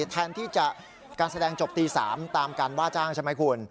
แทนที่จะการแสดงจบตี๓ตามการว่าจ้างใช่ไหมคุณ